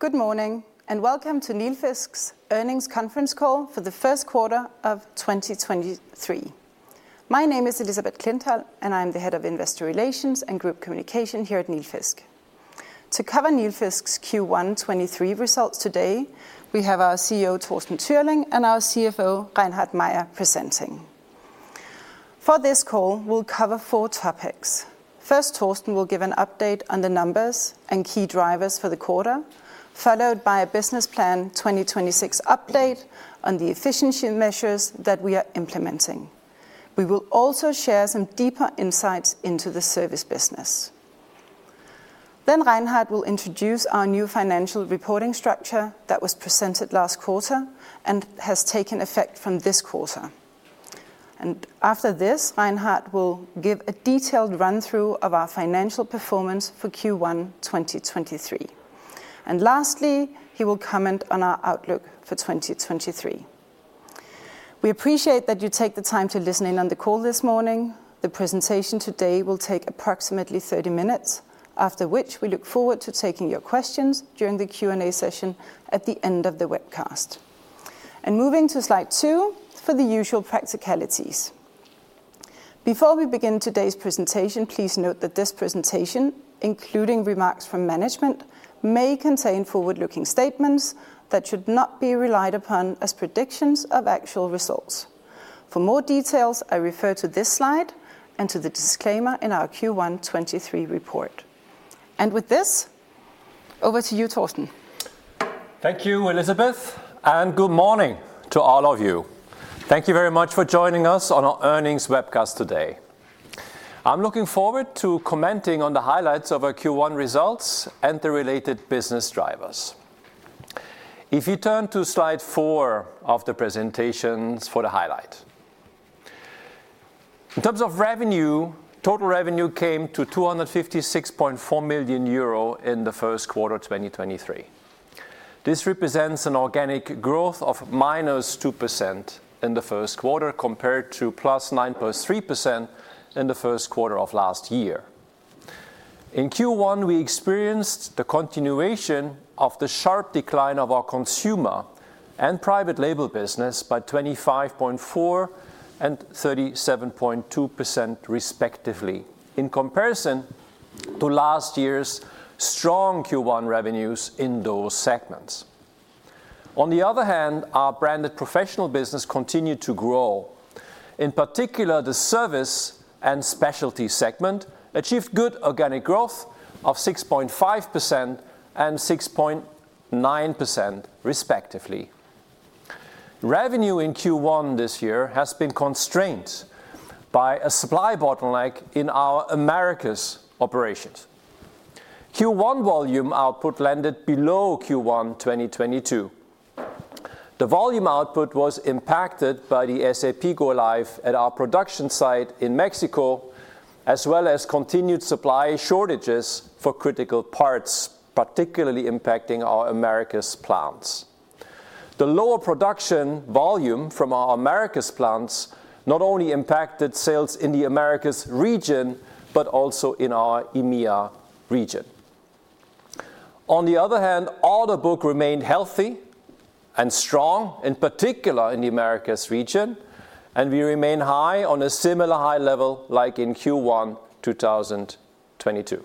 Good morning, and welcome to Nilfisk's earnings conference call for the first quarter of 2023. My name is Elisabeth Klintholm, and I'm the Head of Investor Relations and Group Communication here at Nilfisk. To cover Nilfisk's Q1 2023 results today, we have our CEO, Torsten Türling, and our CFO, Reinhard Mayer, presenting. For this call, we'll cover four topics. First, Torsten will give an update on the numbers and key drivers for the quarter, followed by a Business Plan 2026 update on the efficiency measures that we are implementing. We will also share some deeper insights into the Service Business. Reinhard will introduce our new financial reporting structure that was presented last quarter and has taken effect from this quarter. After this, Reinhard will give a detailed run-through of our financial performance for Q1 2023. Lastly, he will comment on our outlook for 2023. We appreciate that you take the time to listen in on the call this morning. The presentation today will take approximately 30 minutes, after which we look forward to taking your questions during the Q&A session at the end of the webcast. Moving to slide two for the usual practicalities. Before we begin today's presentation, please note that this presentation, including remarks from management, may contain forward-looking statements that should not be relied upon as predictions of actual results. For more details, I refer to this slide and to the disclaimer in our Q1 2023 report. With this, over to you, Torsten. Thank you, Elisabeth. Good morning to all of you. Thank you very much for joining us on our earnings webcast today. I'm looking forward to commenting on the highlights of our Q1 results and the related business drivers. If you turn to slide four of the presentations for the highlight. In terms of revenue, total revenue came to 256.4 million euro in the first quarter of 2023. This represents an organic growth of -2% in the first quarter compared to +9.3% in the first quarter of last year. In Q1, we experienced the continuation of the sharp decline of our Consumer and Private Label business by 25.4% and 37.2% respectively in comparison to last year's strong Q1 revenues in those segments. On the other hand, our branded Professional Business continued to grow. In particular, the service and specialty segment achieved good organic growth of 6.5% and 6.9%, respectively. Revenue in Q1 this year has been constrained by a supply bottleneck in our Americas operations. Q1 volume output landed below Q1 2022. The volume output was impacted by the go-live at our production site in Mexico, as well as continued supply shortages for critical parts, particularly impacting our Americas plants. The lower production volume from our Americas plants not only impacted sales in the Americas region, but also in our EMEA region. Order book remained healthy and strong, in particular in the Americas region, and we remain high on a similar high level like in Q1 2022.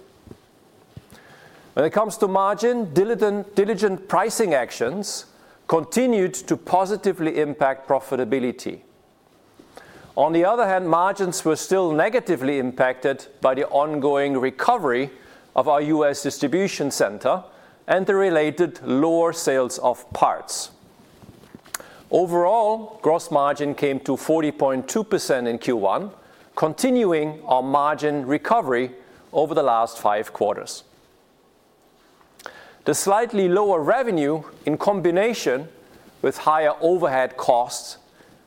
When it comes to margin, diligent pricing actions continued to positively impact profitability. On the other hand, margins were still negatively impacted by the ongoing recovery of our U.S. distribution center and the related lower sales of parts. Overall, gross margin came to 40.2% in Q1, continuing our margin recovery over the last five quarters. The slightly lower revenue in combination with higher overhead costs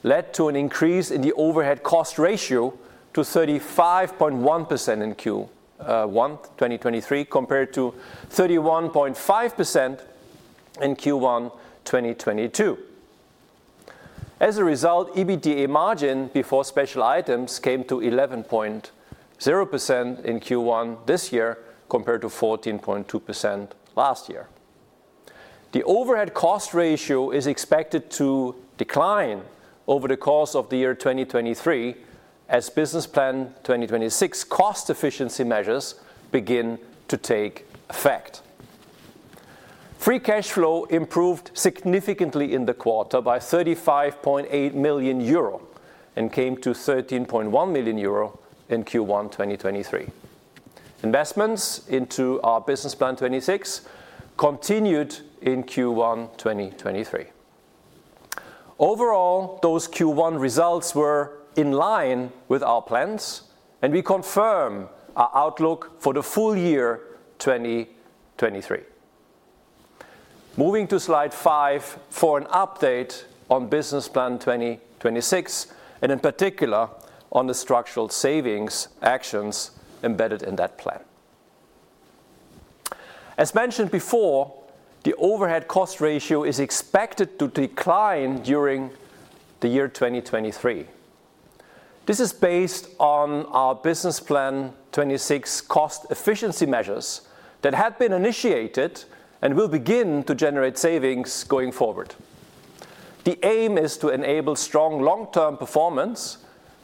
led to an increase in the overhead cost ratio to 35.1% in Q1 2023, compared to 31.5% in Q1 2022. As a result, EBITDA margin before special items came to 11.0% in Q1 this year, compared to 14.2% last year. The overhead cost ratio is expected to decline over the course of the year 2023 as Business Plan 2026 cost efficiency measures begin to take effect. Free cash flow improved significantly in the quarter by 35.8 million euro and came to 13.1 million euro in Q1 2023. Investments into our Business Plan 2026 continued in Q1 2023. Overall, those Q1 results were in line with our plans, and we confirm our outlook for the full year 2023. Moving to slide five for an update on Business Plan 2026, and in particular on the structural savings actions embedded in that plan. As mentioned before, the overhead cost ratio is expected to decline during the year 2023. This is based on our Business Plan 2026 cost efficiency measures that have been initiated and will begin to generate savings going forward. The aim is to enable strong long-term performance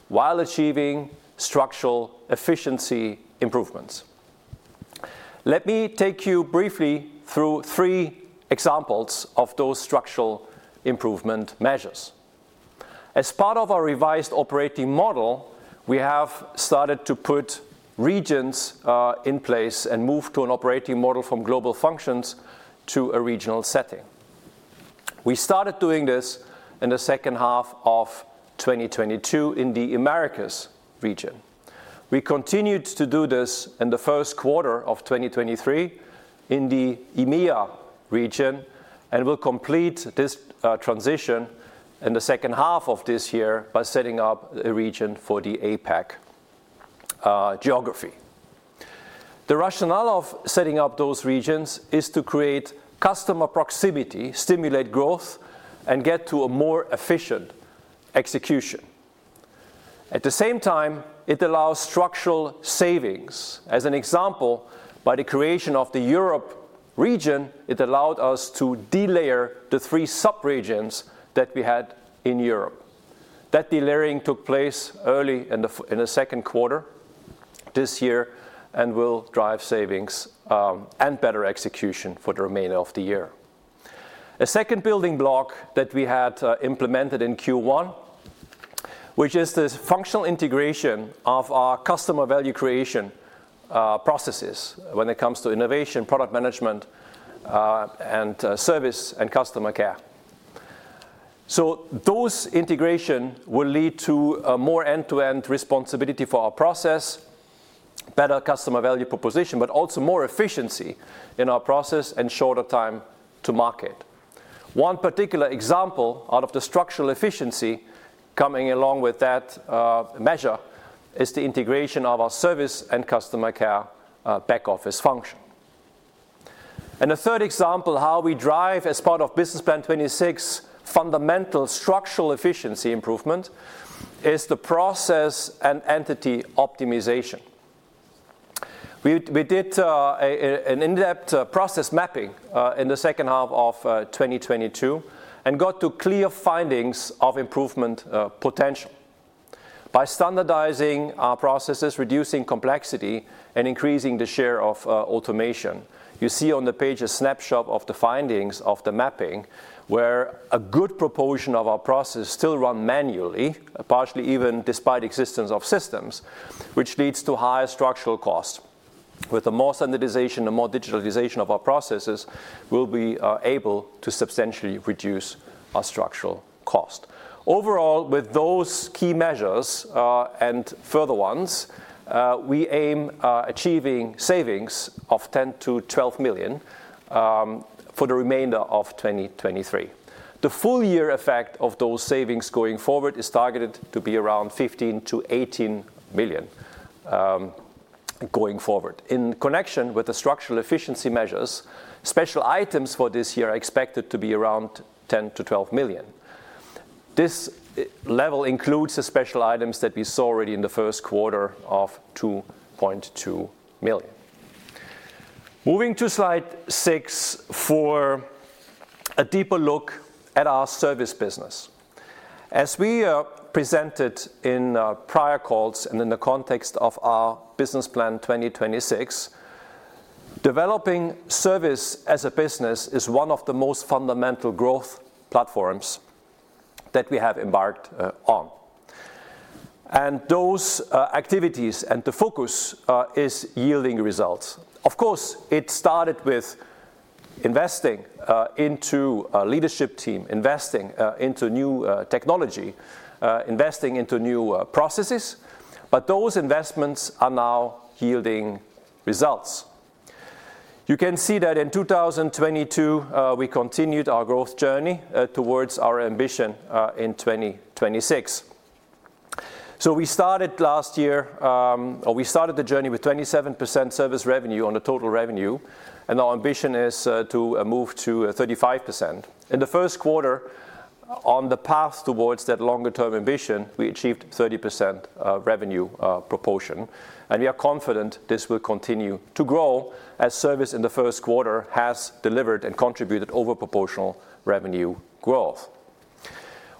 while achieving structural efficiency improvements. Let me take you briefly through three examples of those structural improvement measures. As part of our revised operating model, we have started to put regions in place and move to an operating model from global functions to a regional setting. We started doing this in the second half of 2022 in the Americas region. We continued to do this in the first quarter of 2023 in the EMEA region and will complete this transition in the second half of this year by setting up a region for the APAC geography. The rationale of setting up those regions is to create customer proximity, stimulate growth, and get to a more efficient execution. At the same time, it allows structural savings. As an example, by the creation of the Europe region, it allowed us to delayer the three subregions that we had in Europe. That delayering took place early in the second quarter this year and will drive savings and better execution for the remainder of the year. A second building block that we had implemented in Q1, which is this functional integration of our customer value creation processes when it comes to innovation, product management, and service and customer care. Those integration will lead to a more end-to-end responsibility for our process, better customer value proposition, but also more efficiency in our process and shorter time to market. One particular example out of the structural efficiency coming along with that measure is the integration of our service and customer care back office function. A third example how we drive as part of Business Plan 2026 fundamental structural efficiency improvement is the process and entity optimization. We did an in-depth process mapping in the second half of 2022 and got to clear findings of improvement potential. By standardizing our processes, reducing complexity, and increasing the share of automation. You see on the page a snapshot of the findings of the mapping, where a good proportion of our processes still run manually, partially even despite existence of systems, which leads to higher structural costs. With the more standardization and more digitalization of our processes, we'll be able to substantially reduce our structural cost. Overall, with those key measures and further ones, we aim achieving savings of 10 million-12 million for the remainder of 2023. The full year effect of those savings going forward is targeted to be around 15 million-18 million going forward. In connection with the structural efficiency measures, special items for this year are expected to be around 10 million-12 million. This level includes the special items that we saw already in the first quarter of 2.2 million. Moving to slide six for a deeper look at our Service Business. As we presented in prior calls and in the context of our Business Plan 2026, developing Service as a business is one of the most fundamental growth platforms that we have embarked on. Those activities and the focus is yielding results. Of course, it started with investing into a leadership team, investing into new technology, investing into new processes, but those investments are now yielding results. You can see that in 2022, we continued our growth journey towards our ambition in 2026. We started last year, or we started the journey with 27% service revenue on the total revenue, and our ambition is to move to 35%. In the first quarter, on the path towards that longer-term ambition, we achieved 30% revenue proportion, and we are confident this will continue to grow as service in the first quarter has delivered and contributed over proportional revenue growth.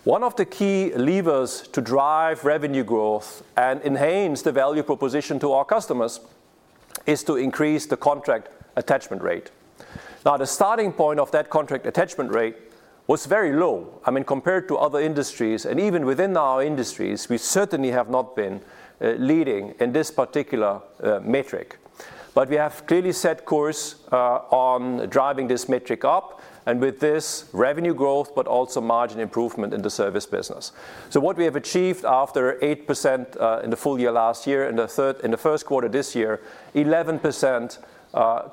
One of the key levers to drive revenue growth and enhance the value proposition to our customers is to increase the contract attachment rate. The starting point of that contract attachment rate was very low. I mean, compared to other industries, and even within our industries, we certainly have not been leading in this particular metric. We have clearly set course on driving this metric up, and with this revenue growth, but also margin improvement in the Service Business. What we have achieved after 8% in the full year last year, in the first quarter this year, 11%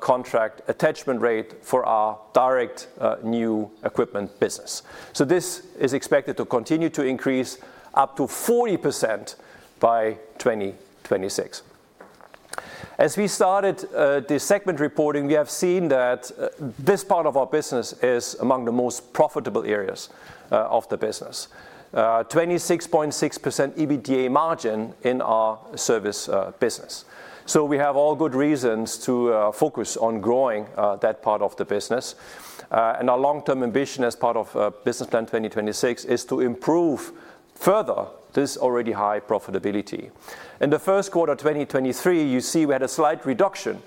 contract attachment rate for our direct new equipment business. This is expected to continue to increase up to 40% by 2026. As we started the segment reporting, we have seen that this part of our business is among the most profitable areas of the business. 26.6% EBITDA margin in our Service Business. We have all good reasons to focus on growing that part of the business. Our long-term ambition as part of Business Plan 2026 is to improve further this already high profitability. In the first quarter of 2023, you see we had a slight reduction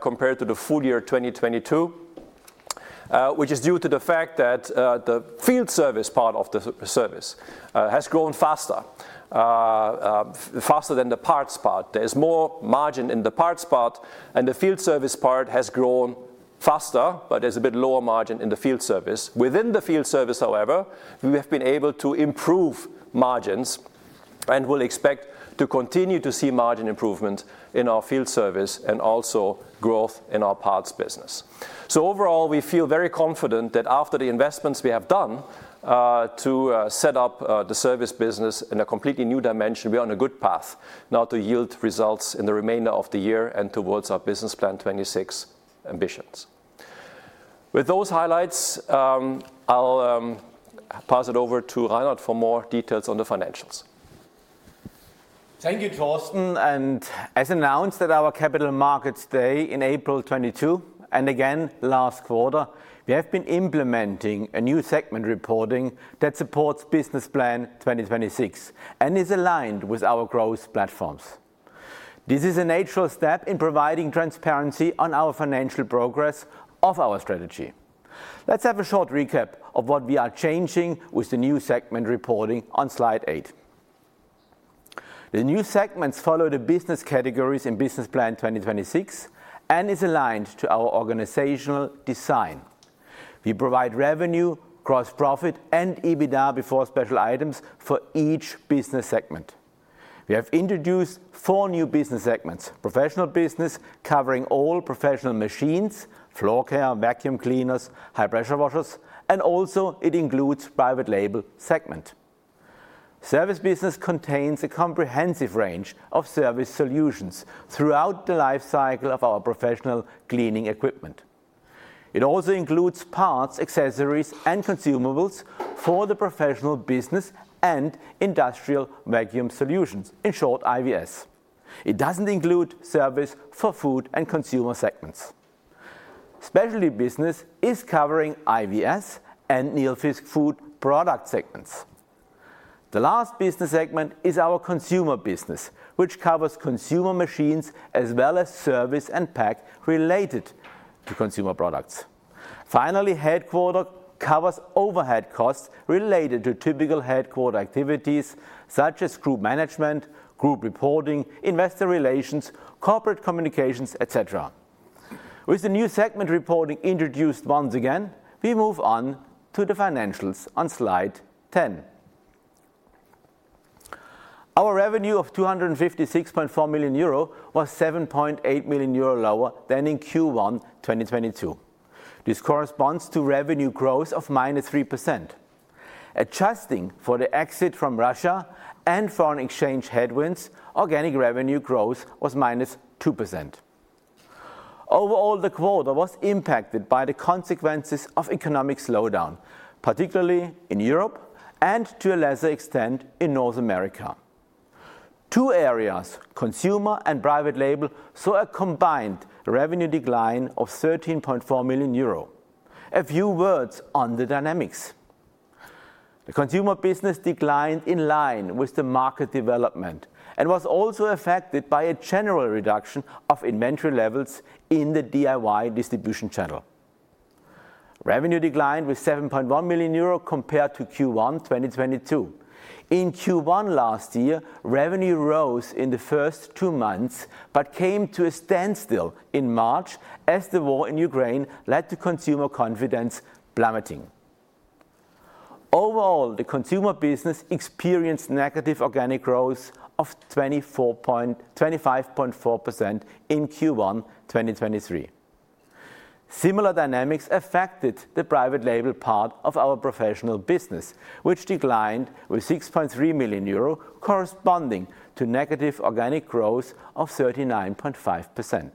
compared to the full year of 2022, which is due to the fact that the field service part of the service has grown faster. faster than the parts part. There's more margin in the parts part, and the field service part has grown faster, but there's a bit lower margin in the field service. Within the field service, however, we have been able to improve margins and will expect to continue to see margin improvement in our field service and also growth in our parts business. Overall, we feel very confident that after the investments we have done, to set up the Service Business in a completely new dimension, we're on a good path now to yield results in the remainder of the year and towards our Business Plan 2026 ambitions. With those highlights, I'll pass it over to Reinhard for more details on the financials. Thank you, Torsten. As announced at our Capital Markets Day in April 2022, and again last quarter, we have been implementing a new segment reporting that supports Business Plan 2026 and is aligned with our growth platforms. This is a natural step in providing transparency on our financial progress of our strategy. Let's have a short recap of what we are changing with the new segment reporting on slide eight. The new segments follow the business categories in Business Plan 2026 and is aligned to our organizational design. We provide revenue, gross profit, and EBITDA before special items for each business segment. We have introduced four new business segments. Professional Business, covering all professional floorcare, vacuum cleaners, high pressure washers, and also it includes Private Label segment. Service Business contains a comprehensive range of Service solutions throughout the life cycle of our professional cleaning equipment. It also includes parts, accessories, and consumables for the Professional Business and industrial vacuum solutions, in short, IVS. It doesn't include Service for FOOD and Consumer segments. Specialty Business is covering IVS and Nilfisk FOOD product segments. The last business segment is our Consumer Business, which covers Consumer machines as well as service and pack related to Consumer products. Finally, headquarter covers overhead costs related to typical headquarter activities such as Group management, Group reporting, Investor Relations, corporate communications, et cetera. With the new segment reporting introduced once again, we move on to the financials on slide 10. Our revenue of 256.4 million euro was 7.8 million euro lower than in Q1 2022. This corresponds to revenue growth of -3%. Adjusting for the exit from Russia and foreign exchange headwinds, organic revenue growth was -2%. Overall, the quarter was impacted by the consequences of economic slowdown, particularly in Europe and to a lesser extent in North America. Two areas, Consumer and Private Label, saw a combined revenue decline of 13.4 million euro. A few words on the dynamics. The Consumer Business declined in line with the market development and was also affected by a general reduction of inventory levels in the DIY distribution channel. Revenue declined with 7.1 million euro compared to Q1 2022. In Q1 last year, revenue rose in the first two months, but came to a standstill in March as the war in Ukraine led to consumer confidence plummeting. Overall, the Consumer Business experienced negative organic growth of 25.4% in Q1 2023. Similar dynamics affected the Private Label part of our Professional Business, which declined with 6.3 million euro, corresponding to negative organic growth of 39.5%.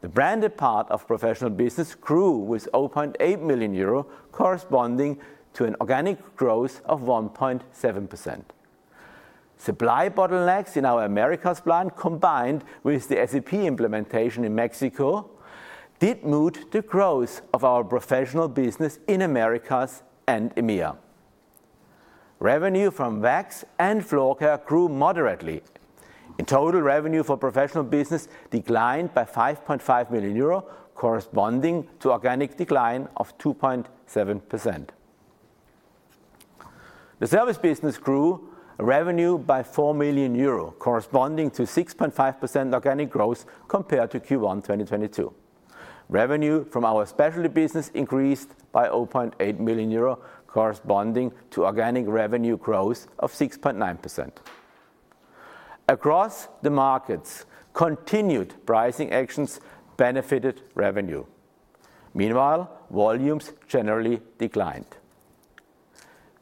The branded part of Professional Business grew with 0.8 million euro, corresponding to an organic growth of 1.7%. Supply bottlenecks in our Americas plant, combined with the SAP implementation in Mexico, did moot the growth of our Professional Business in Americas and EMEA. Revenue from vacs floorcare grew moderately. In total, revenue for Professional Business declined by 5.5 million euro, corresponding to organic decline of 2.7%. The Service Business grew revenue by 4 million euro, corresponding to 6.5% organic growth compared to Q1 2022. Revenue from our Specialty Business increased by 0.8 million euro, corresponding to organic revenue growth of 6.9%. Across the markets, continued pricing actions benefited revenue. Meanwhile, volumes generally declined.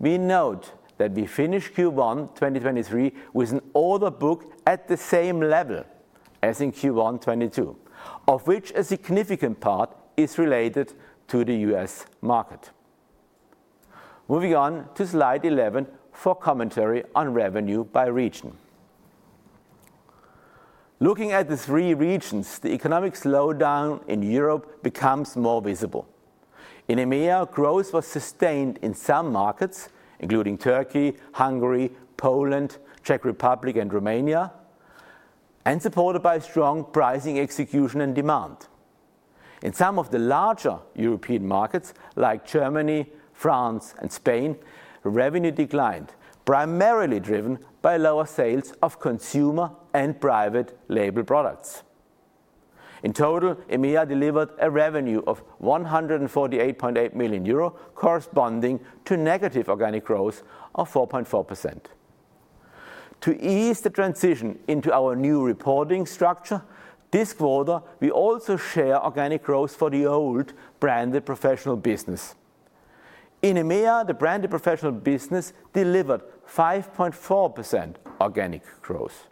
We note that we finished Q1 2023 with an order book at the same level as in Q1 2022, of which a significant part is related to the U.S. market. Moving on to slide 11 for commentary on revenue by region. Looking at the three regions, the economic slowdown in Europe becomes more visible. In EMEA, growth was sustained in some markets, including Turkey, Hungary, Poland, Czech Republic, and Romania, supported by strong pricing, execution, and demand. In some of the larger European markets like Germany, France, and Spain, revenue declined, primarily driven by lower sales of Consumer and Private Label products. In total, EMEA delivered a revenue of 148.8 million euro, corresponding to negative organic growth of 4.4%. To ease the transition into our new reporting structure, this quarter, we also share organic growth for the old branded Professional Business. In EMEA, the branded Professional Business delivered 5.4% organic growth.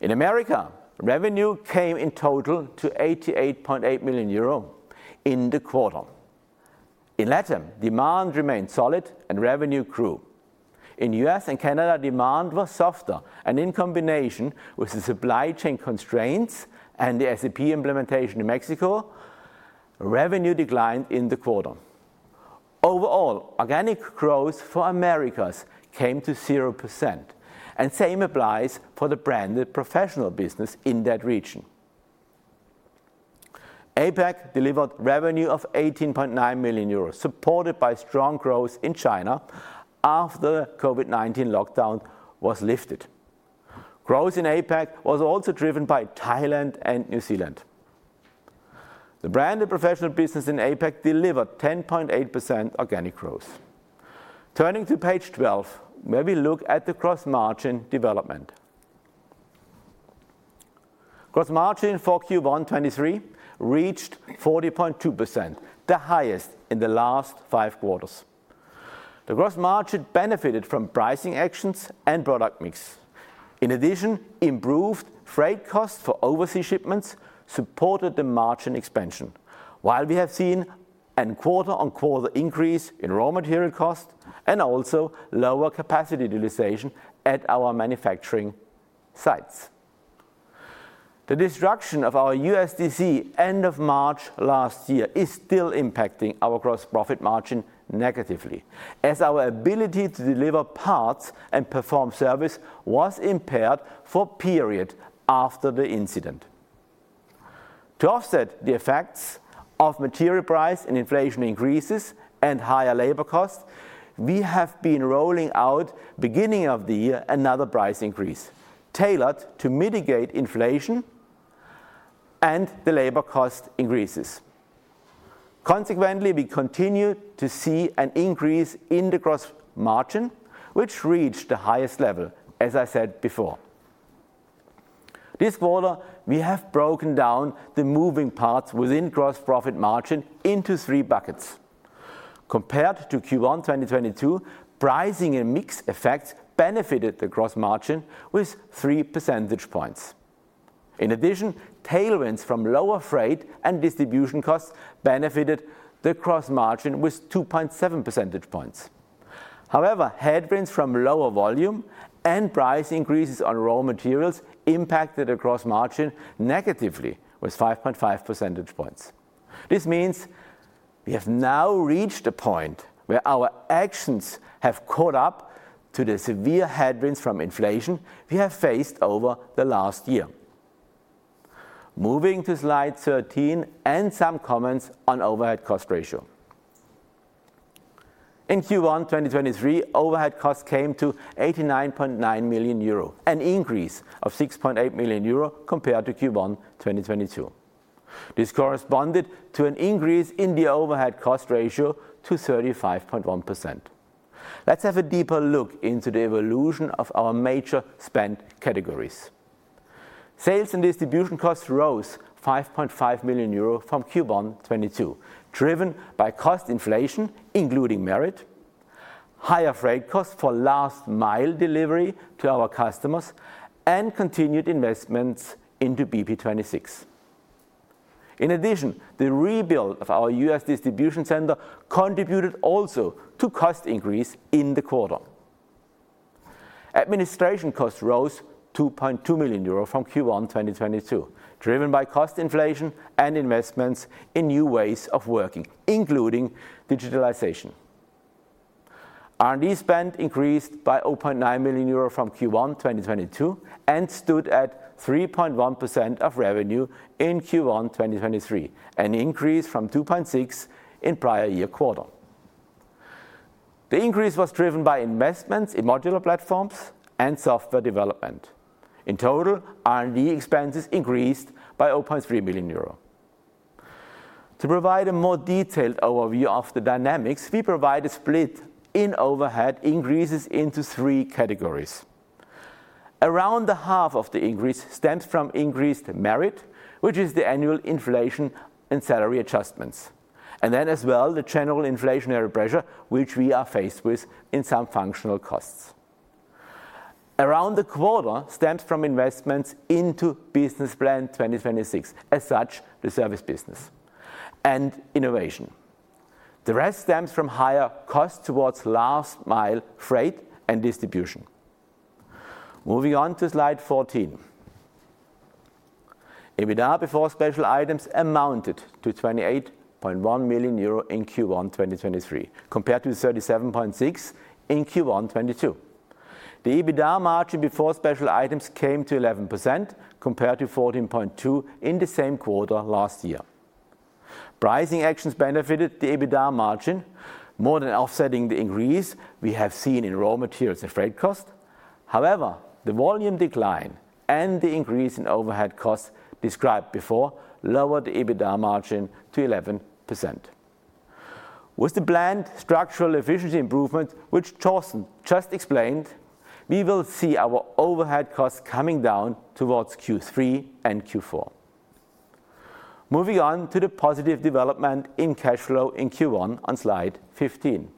In America, revenue came in total to 88.8 million euro in the quarter. In LATAM, demand remained solid and revenue grew. In U.S. and Canada, demand was softer, and in combination with the supply chain constraints and the SAP implementation in Mexico, revenue declined in the quarter. Overall, organic growth for Americas came to 0%, and same applies for the branded Professional Business in that region. APAC delivered revenue of 18.9 million euros, supported by strong growth in China after COVID-19 lockdown was lifted. Growth in APAC was also driven by Thailand and New Zealand. The branded Professional Business in APAC delivered 10.8% organic growth. Turning to page 12, may we look at the gross margin development. Gross margin for Q1 2023 reached 40.2%, the highest in the last five quarters. The gross margin benefited from pricing actions and product mix. Improved freight costs for overseas shipments supported the margin expansion. While we have seen an quarter-on-quarter increase in raw material cost and also lower capacity utilization at our manufacturing sites. The disruption of our USDC end of March last year is still impacting our gross profit margin negatively as our ability to deliver parts and perform service was impaired for period after the incident. To offset the effects of material price and inflation increases and higher labor costs, we have been rolling out beginning of the year another price increase tailored to mitigate inflation and the labor cost increases. Consequently, we continue to see an increase in the gross margin, which reached the highest level, as I said before. This quarter, we have broken down the moving parts within gross profit margin into three buckets. Compared to Q1 2022, pricing and mix effects benefited the gross margin with three percentage points. In addition, tailwinds from lower freight and distribution costs benefited the gross margin with 2.7 percentage points. However, headwinds from lower volume and price increases on raw materials impacted the gross margin negatively with 5.5 percentage points. This means we have now reached a point where our actions have caught up to the severe headwinds from inflation we have faced over the last year. Moving to slide 13 and some comments on overhead cost ratio. In Q1 2023, overhead costs came to 89.9 million euro, an increase of 6.8 million euro compared to Q1 2022. This corresponded to an increase in the overhead cost ratio to 35.1%. Let's have a deeper look into the evolution of our major spend categories. Sales and distribution costs rose 5.5 million euro from Q1 2022, driven by cost inflation, including merit, higher freight costs for last mile delivery to our customers, and continued investments into BP26. In addition, the rebuild of our U.S. distribution center contributed also to cost increase in the quarter. Administration costs rose 2.2 million euros from Q1 2022, driven by cost inflation and investments in new Ways of Working, including digitalization. R&D spend increased by 0.9 million euro from Q1 2022 and stood at 3.1% of revenue in Q1 2023, an increase from 2.6% in prior year quarter. The increase was driven by investments in modular platforms and software development. In total, R&D expenses increased by 0.3 million euro. To provide a more detailed overview of the dynamics, we provide a split in overhead increases into three categories. Around the half of the increase stems from increased merit, which is the annual inflation and salary adjustments, and then as well, the general inflationary pressure which we are faced with in some functional costs. Around the quarter stems from investments into Business Plan 2026, as such, the Service Business and innovation. The rest stems from higher costs towards last mile freight and distribution. Moving on to slide 14. EBITDA before special items amounted to 28.1 million euro in Q1 2023, compared to 37.6 million in Q1 2022. The EBITDA margin before special items came to 11% compared to 14.2% in the same quarter last year. Pricing actions benefited the EBITDA margin more than offsetting the increase we have seen in raw materials and freight cost. However, the volume decline and the increase in overhead costs described before lowered the EBITDA margin to 11%. With the planned structural efficiency improvement, which Torsten Türling just explained, we will see our overhead costs coming down towards Q3 and Q4. Moving on to the positive development in cash flow in Q1 on slide 15.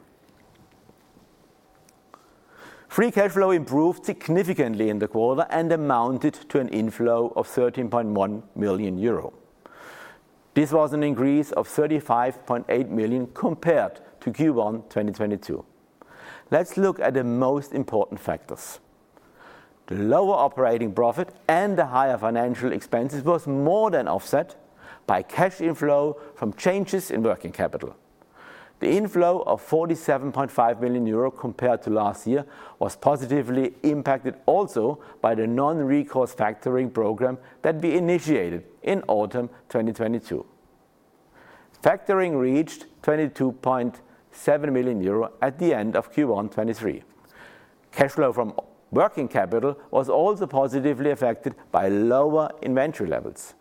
Free cash flow improved significantly in the quarter and amounted to an inflow of 13.1 million euro. This was an increase of 35.8 million compared to Q1, 2022. Let's look at the most important factors. The lower operating profit and the higher financial expenses was more than offset by cash inflow from changes in working capital. The inflow of 47.5 million euro compared to last year was positively impacted also by the non-recourse factoring program that we initiated in autumn 2022. Factoring reached 22.7 million euro at the end of Q1, 2023. Cash flow from working capital was also positively affected by lower inventory levels.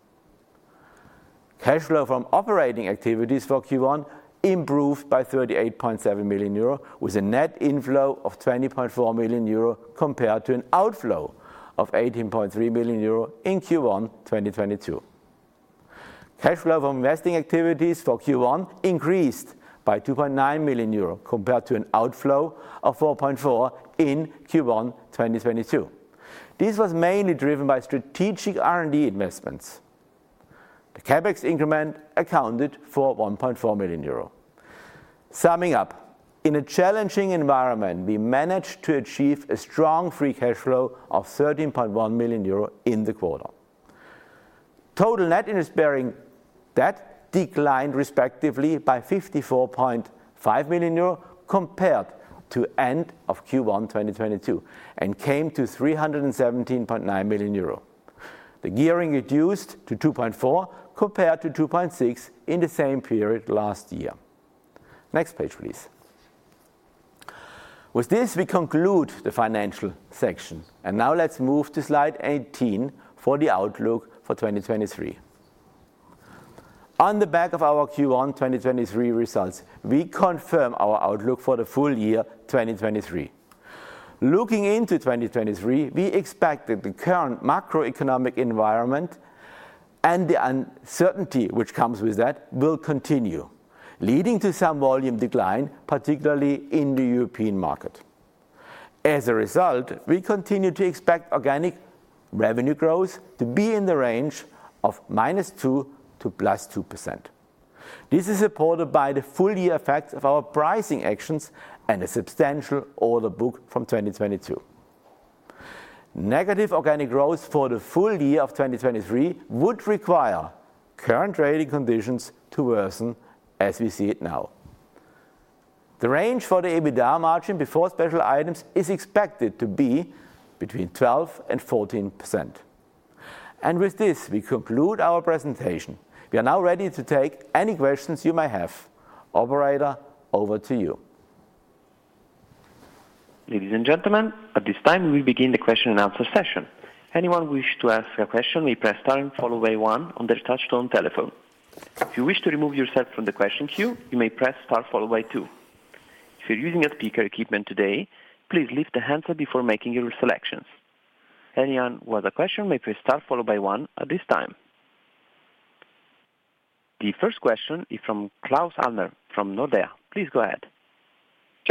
Cash flow from operating activities for Q1 improved by 38.7 million euro, with a net inflow of 20.4 million euro compared to an outflow of 18.3 million euro in Q1, 2022. Cash flow from investing activities for Q1 increased by 2.9 million euro compared to an outflow of 4.4 million in Q1, 2022. This was mainly driven by strategic R&D investments. The CapEx increment accounted for 1.4 million euro. Summing up, in a challenging environment, we managed to achieve a strong free cash flow of 13.1 million euro in the quarter. Total net interest-bearing debt declined respectively by 54.5 million euro compared to end of Q1, 2022, and came to 317.9 million euro. The gearing reduced to 2.4 compared to 2.6 in the same period last year. Next page, please. With this, we conclude the financial section. Now let's move to slide 18 for the outlook for 2023. On the back of our Q1, 2023 results, we confirm our outlook for the full year, 2023. Looking into 2023, we expect that the current macroeconomic environment and the uncertainty which comes with that will continue, leading to some volume decline, particularly in the European market. As a result, we continue to expect organic revenue growth to be in the range of -2% to +2%. This is supported by the full year effect of our pricing actions and a substantial order book from 2022. Negative organic growth for the full year of 2023 would require current trading conditions to worsen as we see it now. The range for the EBITDA margin before special items is expected to be between 12% and 14%. With this, we conclude our presentation. We are now ready to take any questions you may have. Operator, over to you. Ladies and gentlemen, at this time we will begin the question-and-answer session. Anyone wish to ask a question may press star followed by one on their touch-tone telephone. If you wish to remove yourself from the question queue, you may press star followed by two. If you're using a speaker equipment today, please lift the handset before making your selections. Anyone with a question may press star followed by one at this time. The first question is from Claus Almer from Nordea. Please go ahead.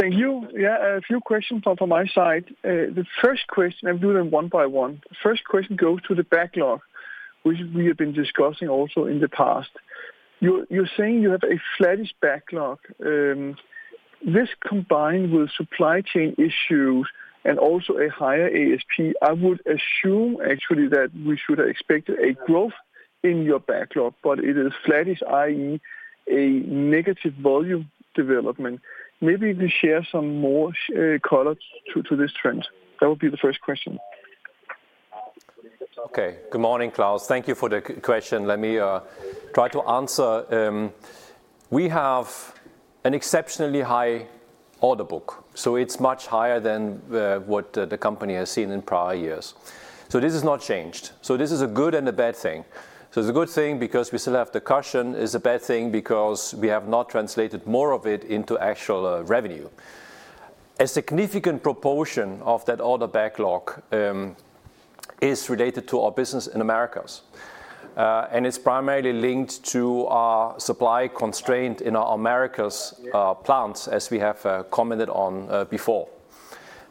Thank you. Yeah, a few questions from my side. The first question, I'll do them one by one. First question goes to the backlog, which we have been discussing also in the past. You're saying you have a flattish backlog. This combined with supply chain issues and also a higher SAP, I would assume actually that we should expect a growth in your backlog, but it is flattish, i.e. a negative volume development. Maybe if you share some more colors to this trend. That would be the first question. Good morning, Claus. Thank you for the question. Let me try to answer. We have an exceptionally high order book, it's much higher than the company has seen in prior years. This has not changed. This is a good and a bad thing. It's a good thing because we still have the cushion. It's a bad thing because we have not translated more of it into actual revenue. A significant proportion of that order backlog is related to our business in Americas. It's primarily linked to our supply constraint in our Americas plants as we have commented on before.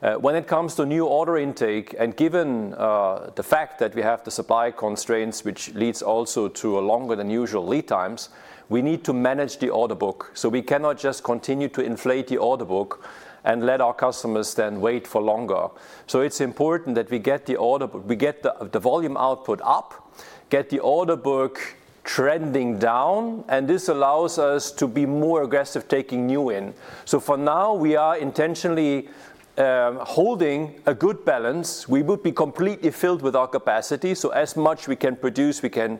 When it comes to new order intake and given the fact that we have the supply constraints, which leads also to longer than usual lead times, we need to manage the order book. We cannot just continue to inflate the order book and let our customers then wait for longer. It's important that we get the order book, we get the volume output up, get the order book trending down, and this allows us to be more aggressive taking new in. For now, we are intentionally holding a good balance. We would be completely filled with our capacity, so as much we can produce, we can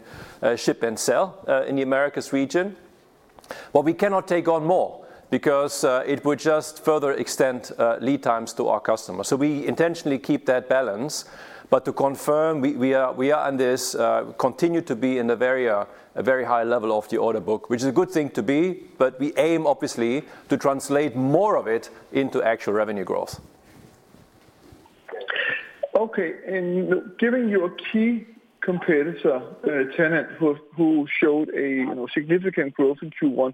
ship and sell in the Americas region. We cannot take on more because it would just further extend lead times to our customers. We intentionally keep that balance. To confirm, we are on this, continue to be in the very high level of the order book, which is a good thing to be, but we aim obviously to translate more of it into actual revenue growth. Okay. Given your key competitor, Tennant, who showed a, you know, significant growth in Q1,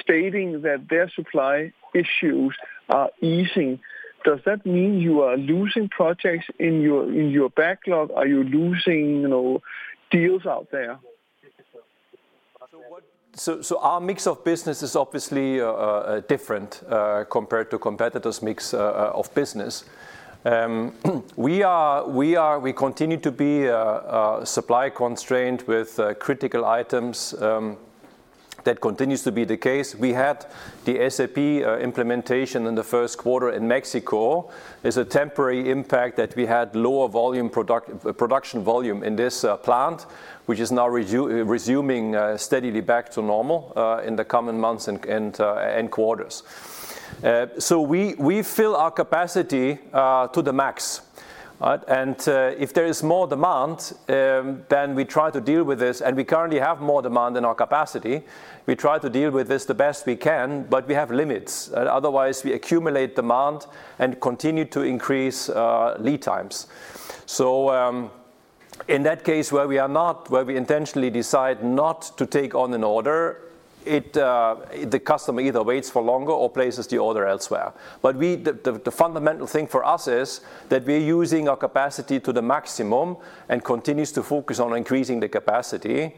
stating that their supply issues are easing, does that mean you are losing projects in your backlog? Are you losing, you know, deals out there? Our mix of business is obviously different compared to competitors' mix of business. We continue to be supply constrained with critical items. That continues to be the case. We had the SAP implementation in the first quarter in Mexico. Is a temporary impact that we had lower production volume in this plant, which is now resuming steadily back to normal in the coming months and quarters. We fill our capacity to the max. If there is more demand, we try to deal with this. We currently have more demand than our capacity. We try to deal with this the best we can, but we have limits. Otherwise we accumulate demand and continue to increase lead times. In that case where we intentionally decide not to take on an order, it the customer either waits for longer or places the order elsewhere. The fundamental thing for us is that we're using our capacity to the maximum and continues to focus on increasing the capacity.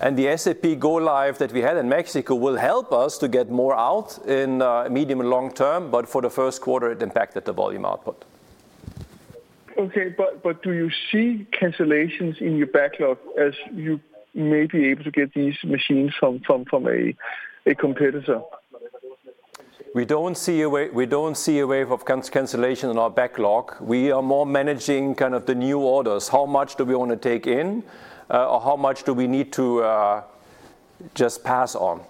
The SAP go-live that we had in Mexico will help us to get more out in medium and long term, but for the first quarter it impacted the volume output. Okay, do you see cancellations in your backlog as you may be able to get these machines from a competitor? We don't see a wave of cancellation in our backlog. We are more managing kind of the new orders. How much do we wanna take in or how much do we need to just pass on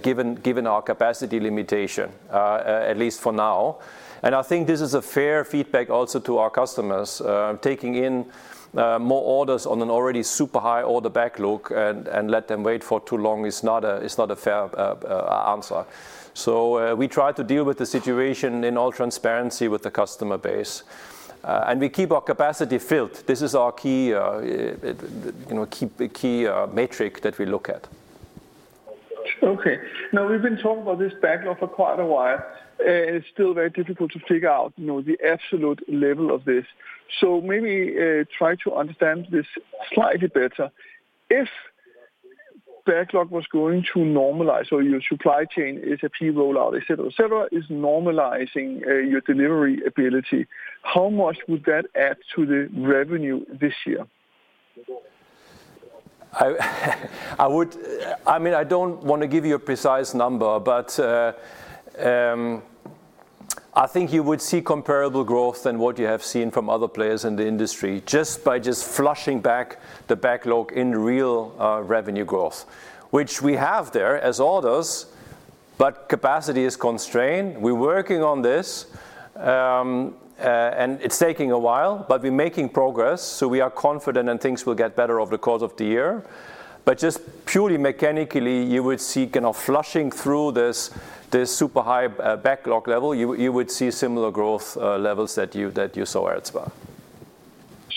given our capacity limitation at least for now. And I think this is a fair feedback also to our customers. Taking in more orders on an already super high order backlog and let them wait for too long is not a fair answer. We try to deal with the situation in all transparency with the customer base. And we keep our capacity filled. This is our, you know, keep the key metric that we look at. Okay. We've been talking about this backlog for quite a while, and it's still very difficult to figure out, you know, the absolute level of this. Maybe, try to understand this slightly better. If backlog was going to normalize, so your supply chain, SAP rollout, et cetera, et cetera, is normalizing, your delivery ability, how much would that add to the revenue this year? I mean, I don't wanna give you a precise number, but, I think you would see comparable growth than what you have seen from other players in the industry just by flushing back the backlog in real revenue growth, which we have there as orders, but capacity is constrained. We're working on this, and it's taking a while, but we're making progress, so we are confident and things will get better over the course of the year. Just purely mechanically, you would see kind of flushing through this super high backlog level. You would see similar growth levels that you saw elsewhere.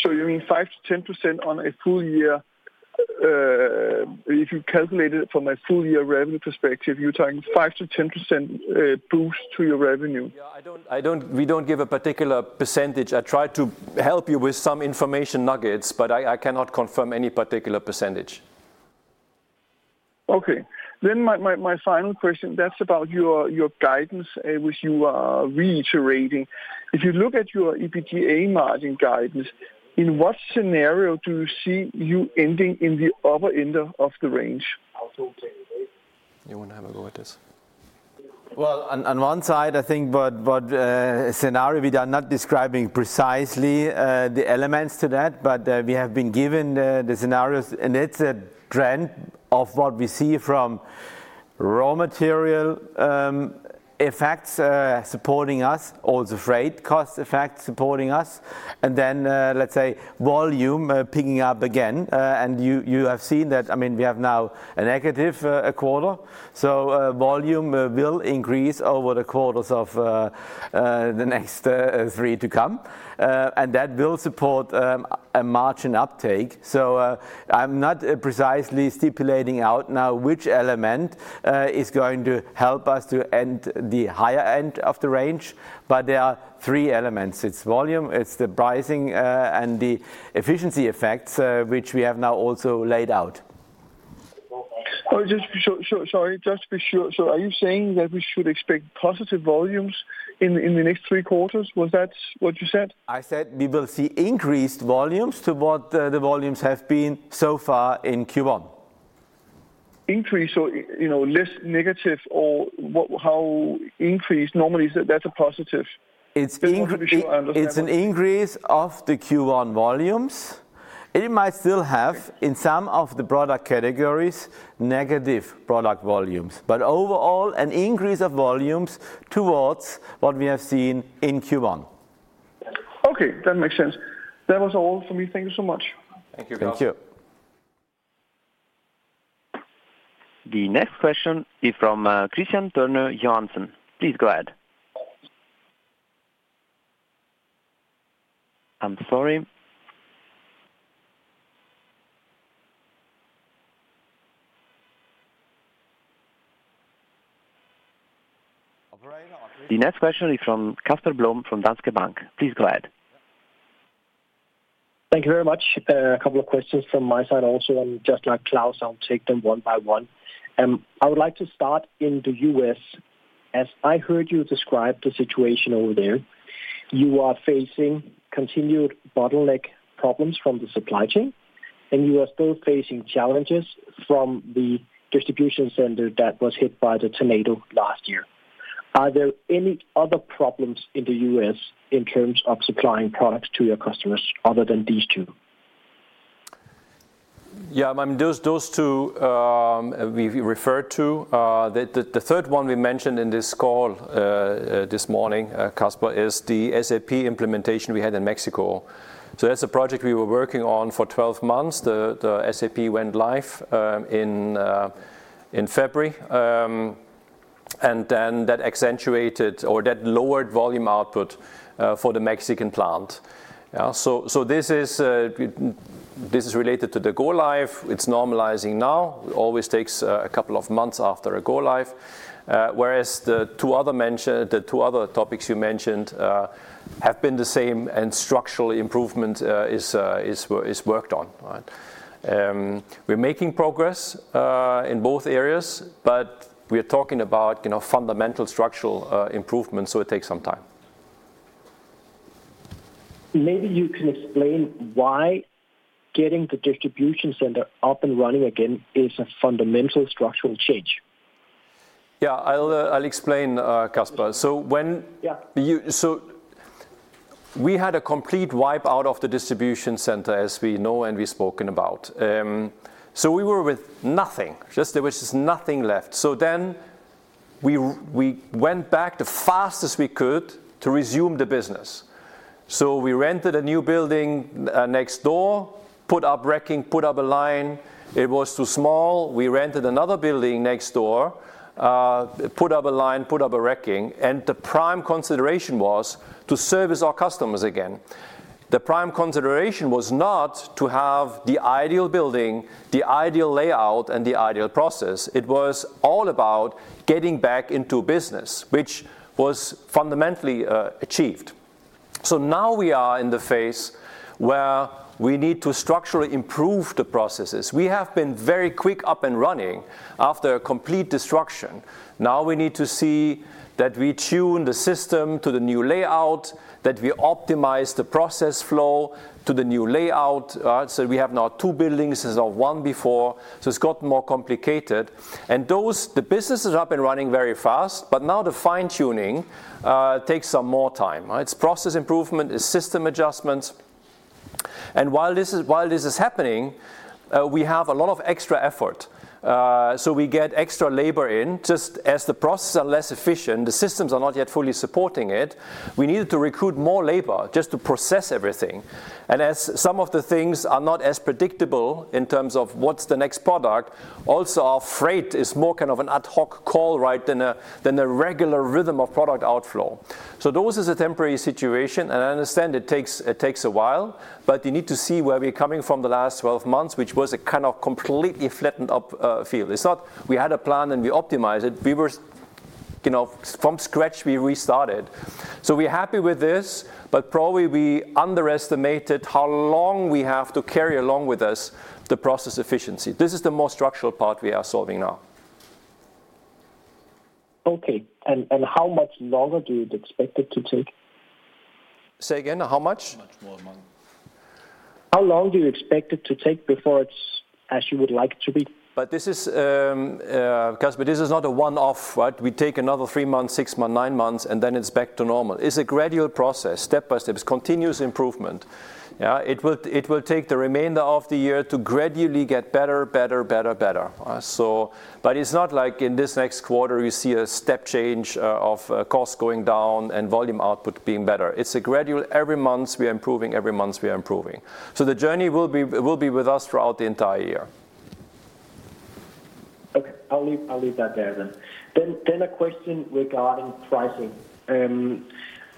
You mean 5%-10% on a full year, if you calculate it from a full year revenue perspective, you're talking 5%-10%, boost to your revenue? Yeah. I don't we don't give a particular percentage. I tried to help you with some information nuggets, I cannot confirm any particular percentage. Okay. My final question, that's about your guidance, which you are reiterating. If you look at your EBITDA margin guidance, in what scenario do you see you ending in the upper end of the range? You wanna have a go at this? On one side, I think what scenario we are not describing precisely, the elements to that, but we have been given the scenarios and it's a trend of what we see from raw material. Effects supporting us or the freight cost effect supporting us. Then, let's say, volume picking up again. You, you have seen that. I mean, we have now a negative quarter. Volume will increase over the quarters of the next three to come. That will support a margin uptake. I'm not precisely stipulating out now which element is going to help us to end the higher end of the range, but there are three elements. It's volume, it's the pricing, and the efficiency effects which we have now also laid out. Oh, just so, sorry. Just to be sure. Are you saying that we should expect positive volumes in the next three quarters? Was that what you said? I said we will see increased volumes to what, the volumes have been so far in Q1. Increase or, you know, less negative or how increased? Normally that's a positive. It's. Just want to be sure I understand. It's an increase of the Q1 volumes. It might still have, in some of the product categories, negative product volumes. Overall, an increase of volumes towards what we have seen in Q1. Okay, that makes sense. That was all for me. Thank you so much. Thank you. The next question is from Kristian Tornøe Johansen. Please go ahead. I'm sorry. The next question is from Casper Blom from Danske Bank. Please go ahead. Thank you very much. A couple of questions from my side also. Just like Claus, I'll take them one by one. I would like to start in the U.S. As I heard you describe the situation over there, you are facing continued bottleneck problems from the supply chain. You are still facing challenges from the distribution center that was hit by the tornado last year. Are there any other problems in the U.S. in terms of supplying products to your customers other than these two? I mean, those two we referred to. The third one we mentioned in this call this morning, Casper, is the SAP implementation we had in Mexico. That's a project we were working on for 12 months. The SAP went live in February. That accentuated or that lowered volume output for the Mexican plant. This is related to the go-live. It's normalizing now. It always takes a couple of months after a go-live. Whereas the two other topics you mentioned have been the same and structural improvement is worked on, right? We're making progress in both areas, but we are talking about, you know, fundamental structural improvement, so it takes some time. Maybe you can explain why getting the distribution center up and running again is a fundamental structural change. Yeah, I'll explain, Casper. Yeah. We had a complete wipe out of the distribution center as we know and we've spoken about. We were with nothing. There was just nothing left. We went back the fastest we could to resume the business. We rented a new building next door, put up racking, put up a line. It was too small. We rented another building next door, put up a line, put up a racking. The prime consideration was to service our customers again. The prime consideration was not to have the ideal building, the ideal layout, and the ideal process. It was all about getting back into business, which was fundamentally achieved. Now we are in the phase where we need to structurally improve the processes. We have been very quick up and running after a complete destruction. Now we need to see that we tune the system to the new layout, that we optimize the process flow to the new layout. We have now two buildings instead of one before, so it's got more complicated. The business is up and running very fast, but now the fine-tuning takes some more time. It's process improvement, it's system adjustments. While this is happening, we have a lot of extra effort. We get extra labor in. Just as the processes are less efficient, the systems are not yet fully supporting it, we needed to recruit more labor just to process everything. As some of the things are not as predictable in terms of what's the next product, also our freight is more kind of an ad hoc call right than a regular rhythm of product outflow. Those is a temporary situation, and I understand it takes a while, but you need to see where we're coming from the last 12 months, which was a kind of completely flattened up, field. It's not we had a plan and we optimized it. We were, you know, from scratch, we restarted. We're happy with this, but probably we underestimated how long we have to carry along with us the process efficiency. This is the more structural part we are solving now. Okay. How much longer do you expect it to take? Say again? How much? How much more months? How long do you expect it to take before it's as you would like it to be? This is, Casper, this is not a one-off, right? We take another three months, six months, nine months, and then it's back to normal. It's a gradual process, step-by-step. It's continuous improvement. Yeah. It will take the remainder of the year to gradually get better. It's not like in this next quarter you see a step change of costs going down and volume output being better. It's a gradual every month we are improving. The journey will be with us throughout the entire year. Okay. I'll leave that there then. A question regarding pricing.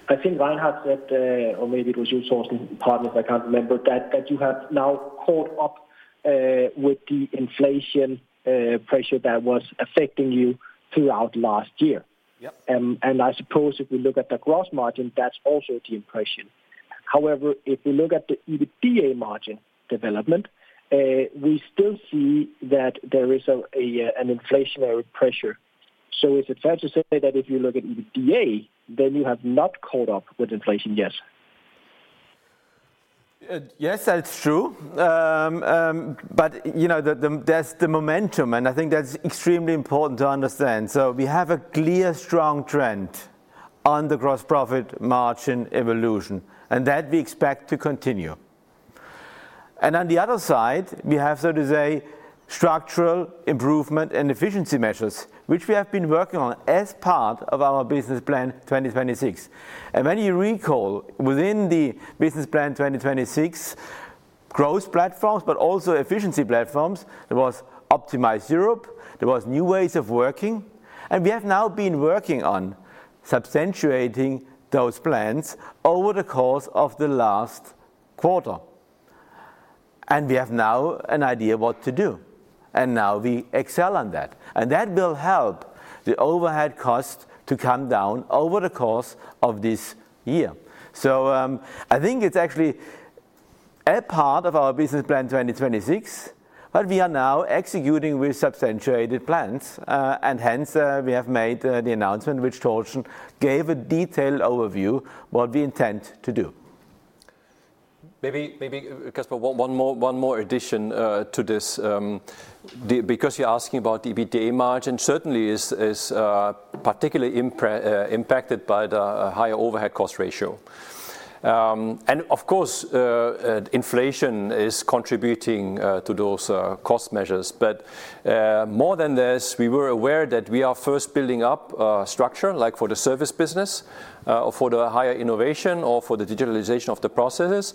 I think Reinhard said or maybe it was you, Torsten, pardon if I can't remember, that you have now caught up with the inflation pressure that was affecting you throughout last year. Yep. I suppose if we look at the gross margin, that's also the impression. However, if we look at the EBITDA margin development, we still see that there is an inflationary pressure. Is it fair to say that if you look at EBITDA, you have not caught up with inflation yet? Yes, that's true. You know, that's the momentum, and I think that's extremely important to understand. We have a clear strong trend on the gross profit margin evolution, and that we expect to continue. On the other side, we have, so to say, structural improvement and efficiency measures, which we have been working on as part of our Business Plan 2026. When you recall, within the Business Plan 2026, growth platforms, but also efficiency platforms. There was optimized Europe, there was new Ways of Working, and we have now been working on substantiating those plans over the course of the last quarter. We have now an idea what to do, and now we excel on that. That will help the overhead cost to come down over the course of this year. I think it's actually a part of our Business Plan 2026, but we are now executing with substantiated plans. Hence, we have made the announcement which Torsten gave a detailed overview what we intend to do. Maybe, Casper, one more addition to this. Because you're asking about EBITDA margin, certainly is particularly impacted by the higher overhead cost ratio. Of course, inflation is contributing to those cost measures. More than this, we were aware that we are first building up structure like for the Service Business or for the higher innovation or for the digitalization of the processes.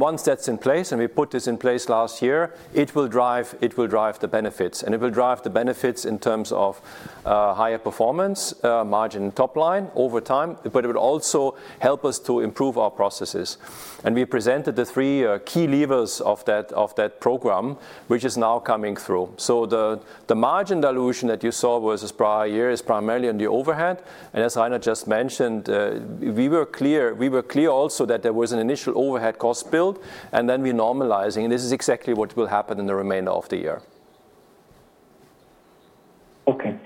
Once that's in place, and we put this in place last year, it will drive the benefits. It will drive the benefits in terms of higher performance, margin top line over time, but it would also help us to improve our processes. We presented the three key levers of that program, which is now coming through. The margin dilution that you saw was this prior year is primarily on the overhead. As Reinhard just mentioned, we were clear also that there was an initial overhead cost build, and then we're normalizing. This is exactly what will happen in the remainder of the year. Okay.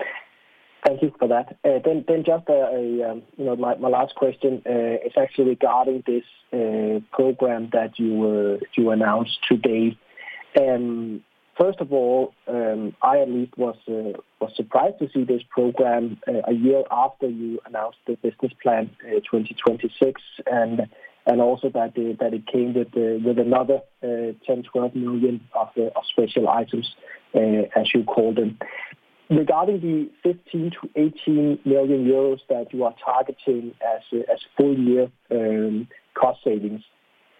Thank you for that. Just a, you know, my last question is actually regarding this program that you announced today. First of all, I at least was surprised to see this program a year after you announced the Business Plan 2026, also that it came with another 10 million-12 million of special items, as you called them. Regarding the 15 million-18 million euros that you are targeting as a full year, cost savings.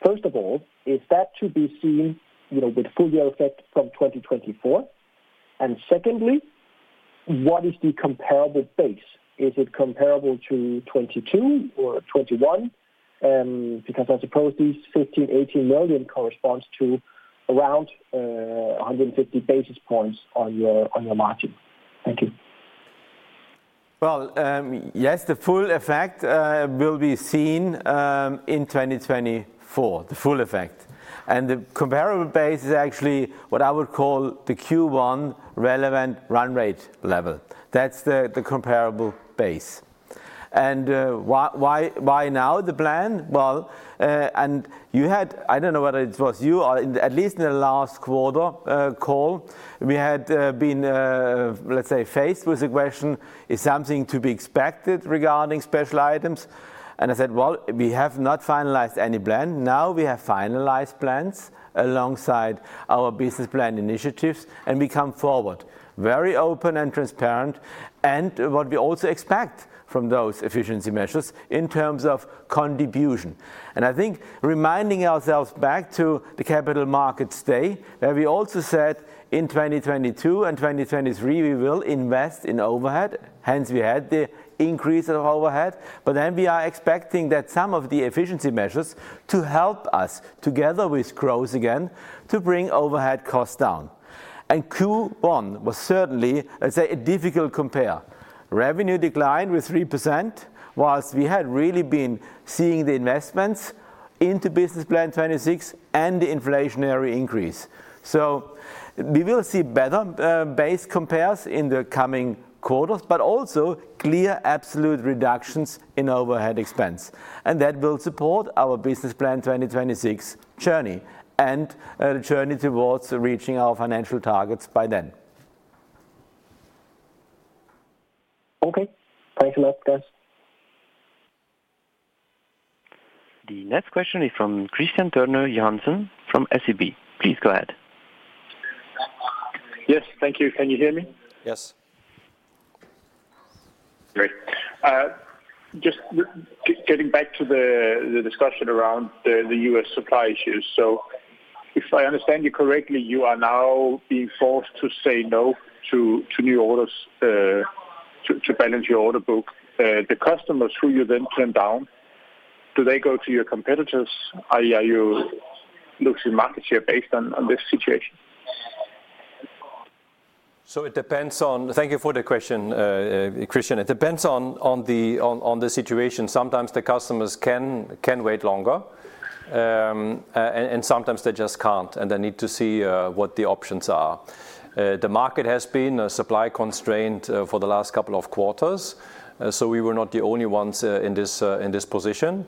First of all, is that to be seen, you know, with full year effect from 2024? Secondly, what is the comparable base? Is it comparable to 2022 or 2021? I suppose these 15 million-18 million corresponds to around 150 basis points on your, on your margin. Thank you. Yes, the full effect will be seen in 2024. The full effect. The comparable base is actually what I would call the Q1 relevant run rate level. That's the comparable base. Why now the plan? You had, I don't know whether it was you or at least in the last quarter call, we had been, let's say, faced with the question, is something to be expected regarding special items? I said, "Well, we have not finalized any plan." Now we have finalized plans alongside our Business Plan initiatives, and we come forward, very open and transparent, and what we also expect from those efficiency measures in terms of contribution. I think reminding ourselves back to the Capital Markets Day, where we also said in 2022 and 2023 we will invest in overhead, hence we had the increase of overhead. We are expecting that some of the efficiency measures to help us together with growth again, to bring overhead costs down. Q1 was certainly, let's say, a difficult compare. Revenue declined with 3% whilst we had really been seeing the investments into Business Plan 2026 and the inflationary increase. We will see better, base compares in the coming quarters, but also clear absolute reductions in overhead expense. That will support our Business Plan 2026 journey, and a journey towards reaching our financial targets by then. Okay. Thanks a lot, guys. The next question is from Kristian Tornøe Johansen from SEB. Please go ahead. Yes, thank you. Can you hear me? Yes. Great. Just getting back to the discussion around the U.S. supply issues. If I understand you correctly, you are now being forced to say no to new orders to balance your order book. The customers who you then turn down, do they go to your competitors? I.e., are you losing market share based on this situation? Thank you for the question, Kristian. It depends on the situation. Sometimes the customers can wait longer, and sometimes they just can't, and they need to see what the options are. The market has been supply constrained for the last couple of quarters, we were not the only ones in this position.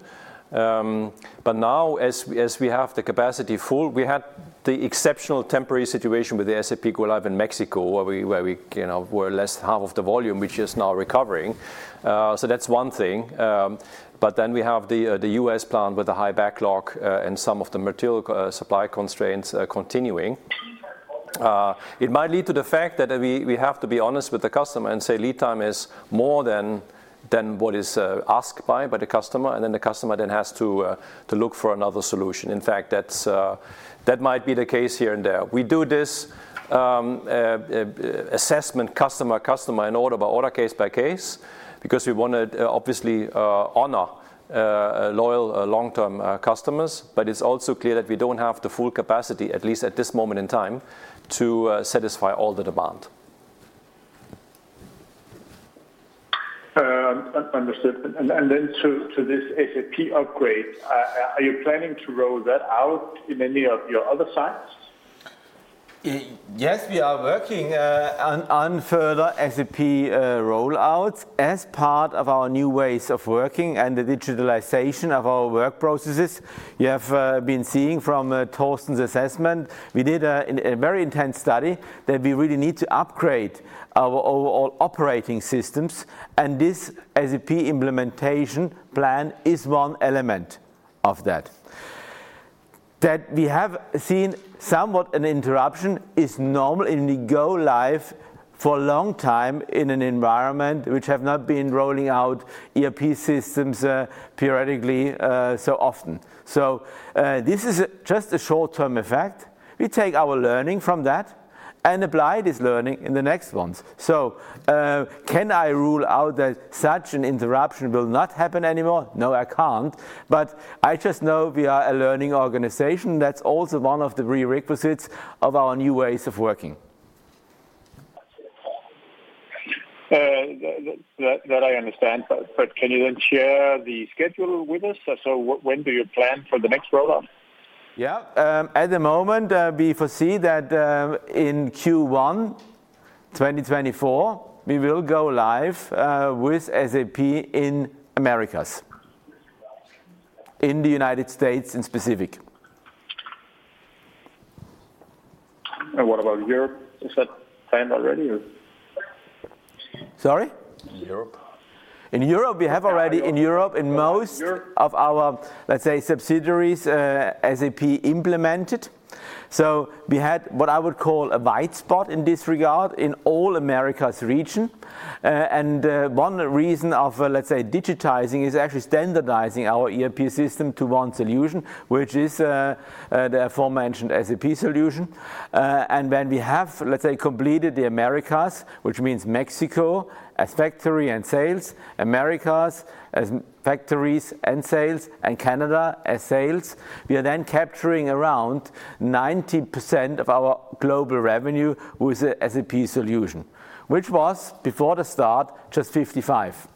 Now as we have the capacity full, we had the exceptional temporary situation with the SAP go-live in Mexico, where we, you know, were less half of the volume, which is now recovering. That's one thing. We have the U.S. plant with a high backlog, and some of the material supply constraints continuing. It might lead to the fact that we have to be honest with the customer and say lead time is more than what is asked by the customer, and then the customer then has to look for another solution. In fact, that's that might be the case here and there. We do this assessment customer and order by order, case by case, because we wanna obviously honor loyal long-term customers. It's also clear that we don't have the full capacity, at least at this moment in time, to satisfy all the demand. Understood. To this SAP upgrade, are you planning to roll that out in any of your other sites? Yes, we are working on further SAP rollouts as part of our new ways of working and the digitalization of our work processes. You have been seeing from Torsten's assessment, we did a very intense study that we really need to upgrade our overall operating systems, and this SAP implementation plan is one element of that. That we have seen somewhat an interruption is normal in the go-live for a long time in an environment which have not been rolling out ERP systems periodically so often. This is just a short-term effect. We take our learning from that and apply this learning in the next ones. Can I rule out that such an interruption will not happen anymore? No, I can't. I just know we are a learning organization. That's also one of the prerequisites of our new ways of working. That I understand. Can you then share the schedule with us? When do you plan for the next rollout? At the moment, we foresee that, in Q1 2024, we will go-live, with SAP in Americas. In the United States in specific. What about Europe? Is that planned already or? Sorry? Europe. In Europe, we have already, in most of our, let's say, subsidiaries, SAP implemented. We had what I would call a white spot in this regard in all Americas region. One reason of, let's say, digitizing is actually standardizing our ERP system to one solution, which is the aforementioned SAP solution. When we have, let's say, completed the Americas, which means Mexico as factory and sales, Americas as factories and sales, and Canada as sales, we are then capturing around 90% of our global revenue with a SAP solution, which was, before the start, just 55.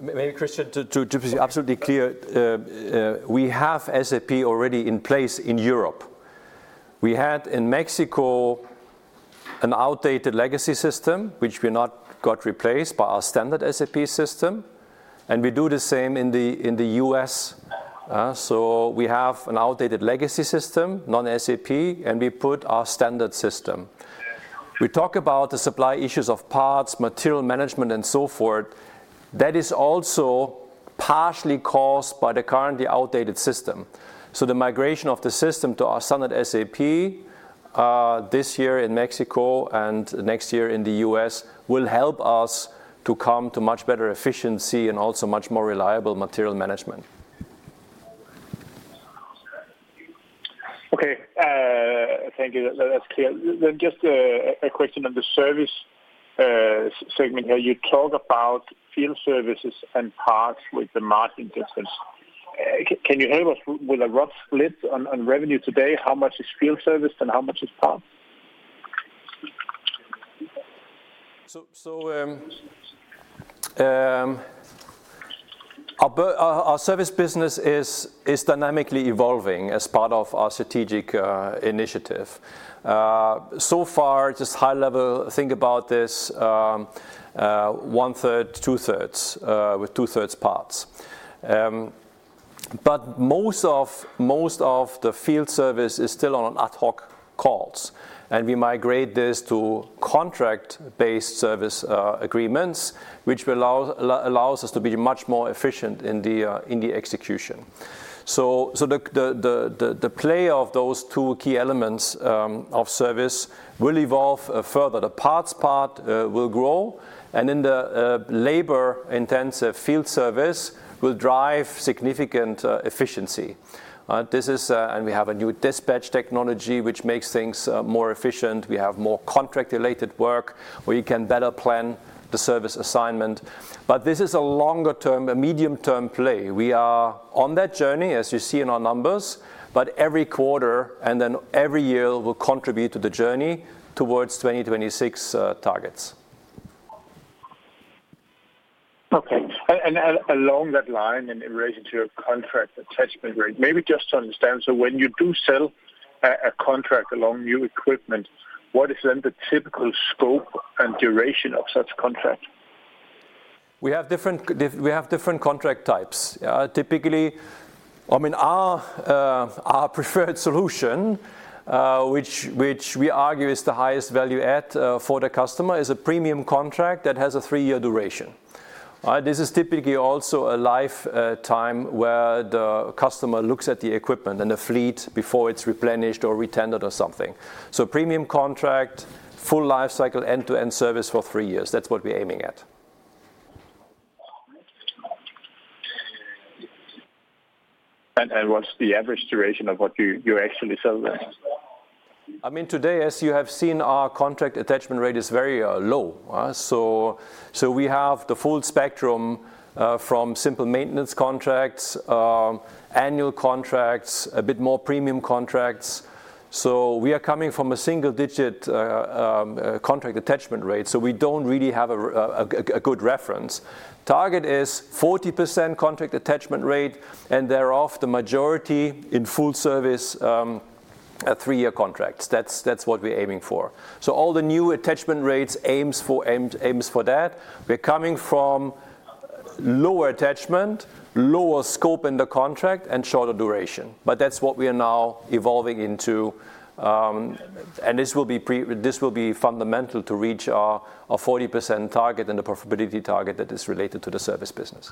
Maybe Kristian to be absolutely clear, we have SAP already in place in Europe. We had in Mexico an outdated legacy system, which we not got replaced by our standard SAP system, and we do the same in the U.S. We have an outdated legacy system, non-SAP, and we put our standard system. We talk about the supply issues of parts, material management, and so forth. That is also partially caused by the currently outdated system. The migration of the system to our standard SAP, this year in Mexico and next year in the U.S., will help us to come to much better efficiency and also much more reliable material management. Okay. Thank you. That's clear. Just a question on the Service segment here. You talk about field services and parts with the margin difference. Can you help us with a rough split on revenue today? How much is field service and how much is parts? Our Service Business is dynamically evolving as part of our strategic initiative. So far, just high level, think about this, 1/3, 2/3, with 2/3 parts. Most of the field service is still on ad hoc calls, and we migrate this to contract-based service agreements, which allows us to be much more efficient in the execution. The play of those two key elements of Service will evolve further. The parts part will grow, and then the labor-intensive field service will drive significant efficiency. This is. We have a new dispatch technology which makes things more efficient. We have more contract-related work where you can better plan the service assignment. This is a longer-term, a medium-term play. We are on that journey, as you see in our numbers, but every quarter and then every year will contribute to the journey towards 2026 targets. Okay. along that line and in relation to your contract attachment rate, maybe just to understand. When you do sell a contract along new equipment, what is then the typical scope and duration of such contract? We have different contract types. I mean, our preferred solution, which we argue is the highest value add for the customer, is a premium contract that has a three-year duration. This is typically also a lifetime where the customer looks at the equipment and the fleet before it's replenished or retendered or something. Premium contract, full life cycle, end-to-end service for three years. That's what we're aiming at. What's the average duration of what you actually sell then? I mean, today, as you have seen, our contract attachment rate is very low. We have the full spectrum from simple maintenance contracts, annual contracts, a bit more premium contracts. We are coming from a single digit contract attachment rate, so we don't really have a good reference. Target is 40% contract attachment rate, and thereof the majority in full service, three-year contracts. That's what we're aiming for. All the new attachment rates aims for that. We're coming from lower attachment, lower scope in the contract and shorter duration. That's what we are now evolving into, and this will be fundamental to reach our 40% target and the profitability target that is related to the Service Business.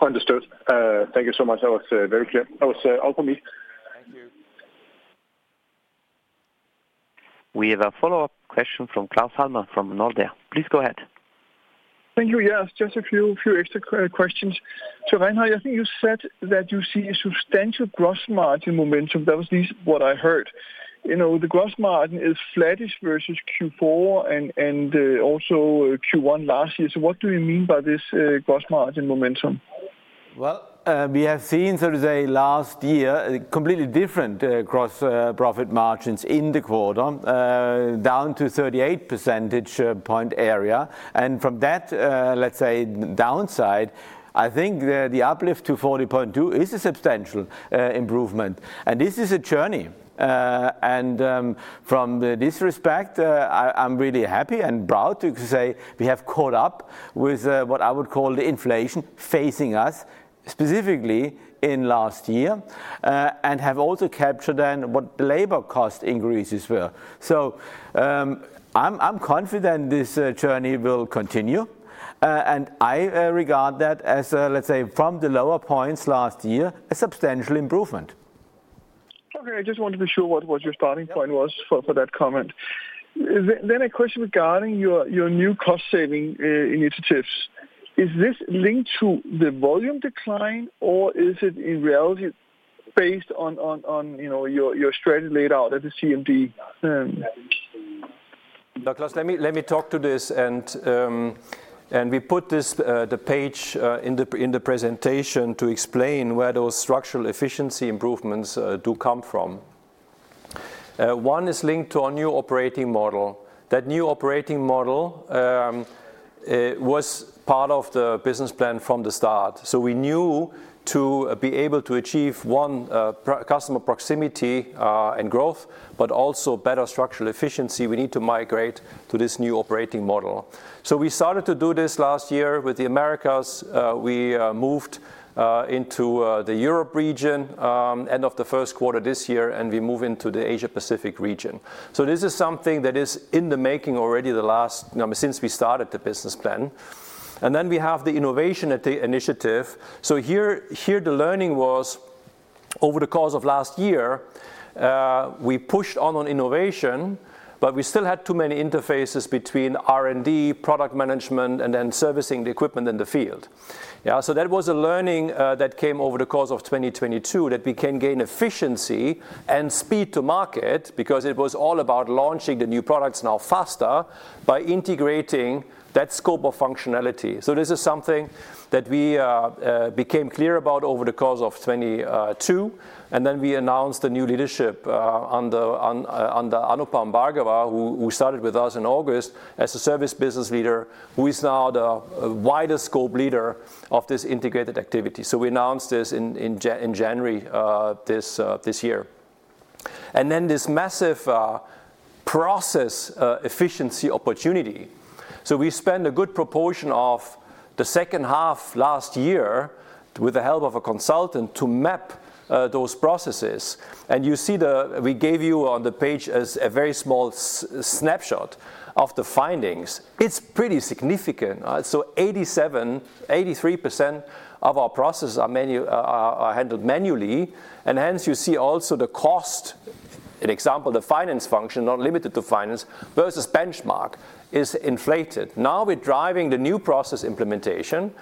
Understood. Thank you so much. That was, very clear. That was, helpful me. Thank you. We have a follow-up question from Claus Almer from Nordea. Please go ahead. Thank you. Yes, just a few extra questions. Reinhard, I think you said that you see a substantial gross margin momentum. That was at least what I heard. You know, the gross margin is flattish versus Q4 and also Q1 last year. What do you mean by this gross margin momentum? Well, we have seen sort of the last year a completely different, gross, profit margins in the quarter, down to 38 percentage point area. From that, let's say downside, I think the uplift to 40.2 percentage points is a substantial improvement. This is a journey. From this respect, I'm really happy and proud to say we have caught up with what I would call the inflation facing us specifically in last year and have also captured then what labor cost increases were. I'm confident this journey will continue, and I regard that as, let's say, from the lower points last year, a substantial improvement. Okay. I just wanted to be sure what was your starting point was for that comment. A question regarding your new cost saving initiatives. Is this linked to the volume decline or is it in reality based on, you know, your strategy laid out at the CMD? Claus, let me talk to this, and we put this the page in the presentation to explain where those structural efficiency improvements do come from. One is linked to our new operating model. That new operating model was part of the Business Plan from the start. We knew to be able to achieve one customer proximity and growth, but also better structural efficiency, we need to migrate to this new operating model. We started to do this last year with the Americas. We moved into the Europe region end of the first quarter this year, and we move into the Asia Pacific region. This is something that is in the making already the last. You know, since we started the Business Plan. We have the innovation at the initiative. Here the learning was over the course of last year, we pushed on innovation, but we still had too many interfaces between R&D, product management, and then servicing the equipment in the field. Yeah. That was a learning, that came over the course of 2022 that we can gain efficiency and speed to market because it was all about launching the new products now faster by integrating that scope of functionality. This is something that we became clear about over the course of 2022, and then we announced the new leadership under Anupam Bhargava, who started with us in August as a Service Business leader, who is now the wider scope leader of this integrated activity. We announced this in January this year. This massive process efficiency opportunity. We spent a good proportion of the second half last year with the help of a consultant to map those processes. You see We gave you on the page as a very small snapshot of the findings. It's pretty significant. 83% of our processes are handled manually, and hence you see also the cost. An example, the finance function, not limited to finance, versus benchmark is inflated. Now, we're driving the new process implementation,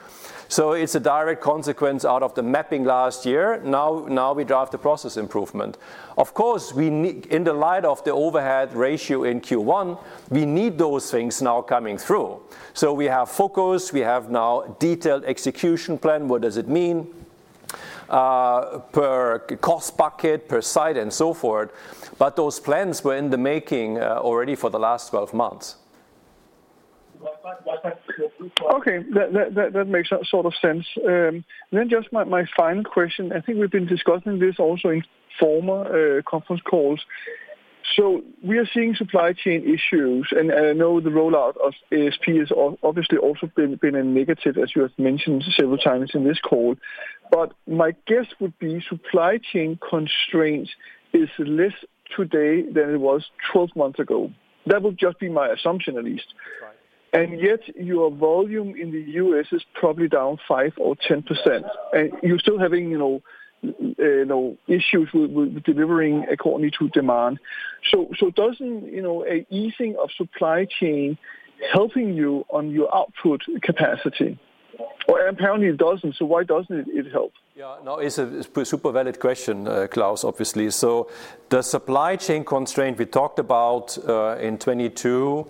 so it's a direct consequence out of the mapping last year. Now we draft the process improvement. Of course, we in the light of the overhead ratio in Q1, we need those things now coming through. We have focus. We have now detailed execution plan. What does it mean, per cost bucket, per site, and so forth? Those plans were in the making, already for the last 12 months. Okay. That makes sort of sense. And then just my final question. I think we've been discussing this also in former conference calls. We are seeing supply chain issues, and I know the rollout of ASP has obviously also been a negative, as you have mentioned several times in this call. My guess would be supply chain constraints is less today than it was 12 months ago. That would just be my assumption at least. Right. Your volume in the U.S. is probably down 5% or 10%. You're still having, you know, you know, issues with delivering according to demand. Doesn't, you know, a easing of supply chain helping you on your output capacity? Apparently it doesn't, so why doesn't it help? No, it's a super valid question, Claus, obviously. The supply chain constraint we talked about in 2022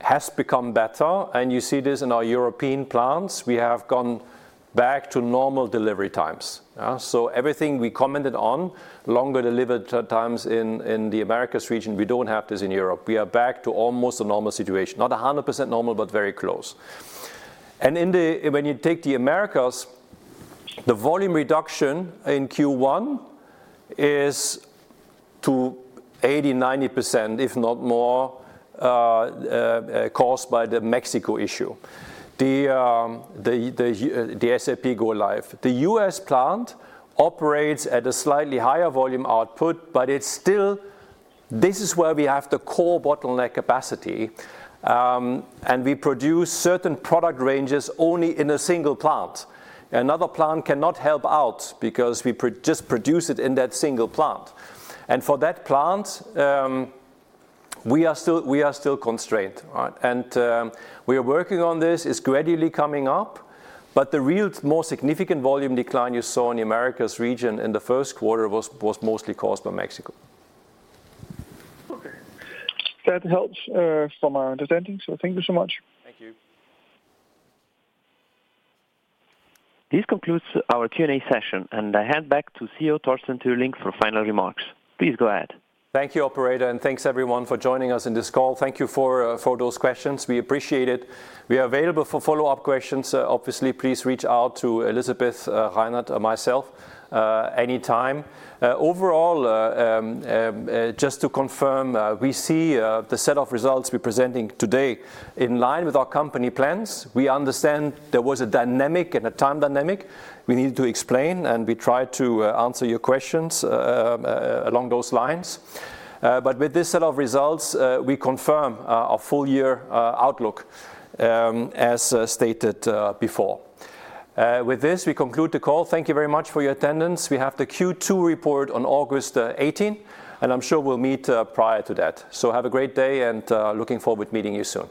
has become better, and you see this in our European plants. We have gone back to normal delivery times. Everything we commented on, longer delivered times in the Americas region. We don't have this in Europe. We are back to almost a normal situation. Not 100% normal, but very close. When you take the Americas, the volume reduction in Q1 is to 80%-90%, if not more, caused by the Mexico issue. The SAP go-live. The U.S. plant operates at a slightly higher volume output, but it's still. This is where we have the core bottleneck capacity, and we produce certain product ranges only in a single plant. Another plant cannot help out because we just produce it in that single plant. For that plant, we are still constrained. All right? We are working on this. It's gradually coming up. The real more significant volume decline you saw in the Americas region in the first quarter was mostly caused by Mexico. That helps, for my understanding, thank you so much. Thank you. This concludes our Q&A session, and I hand back to CEO Torsten Türling for final remarks. Please go ahead. Thank you, operator, and thanks everyone for joining us in this call. Thank you for those questions. We appreciate it. We are available for follow-up questions. Obviously, please reach out to Elisabeth, Reinhard or myself anytime. Overall, just to confirm, we see the set of results we're presenting today in line with our company plans. We understand there was a dynamic and a time dynamic we needed to explain, and we tried to answer your questions along those lines. With this set of results, we confirm our full year outlook as stated before. With this, we conclude the call. Thank you very much for your attendance. We have the Q2 report on August 18, and I'm sure we'll meet prior to that. Have a great day and, looking forward to meeting you soon.